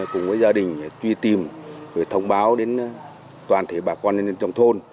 cùng với gia đình truy tìm và thông báo đến toàn thể bà con trong thôn